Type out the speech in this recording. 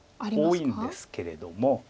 多いんですけれども。